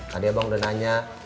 tadi abang udah nanya